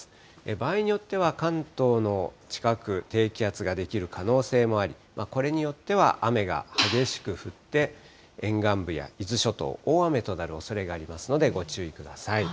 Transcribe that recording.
場合によっては関東の近く、低気圧が出来る可能性もあり、これによっては雨が激しく降って、沿岸部や伊豆諸島、大雨となるおそれがありますので、ご注意ください。